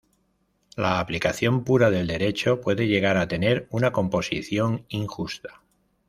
La aplicación pura del derecho puede llegar a tener una composición injusta.